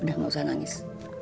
udah gak usah nangis